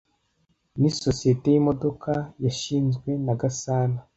Nisosiyete yimodoka yashinzwe na Gasana